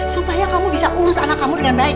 supaya kamu bisa urus anak kamu dengan baik